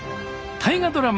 大河ドラマ